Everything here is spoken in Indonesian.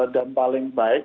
dan paling baik